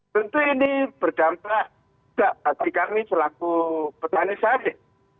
tentu ini berdampak tidak pasti kami selaku petani sahabat